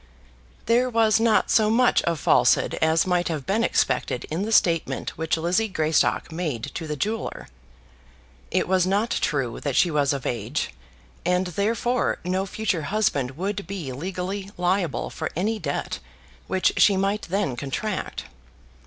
There was not so much of falsehood as might have been expected in the statement which Lizzie Greystock made to the jeweller. It was not true that she was of age, and therefore no future husband would be legally liable for any debt which she might then contract.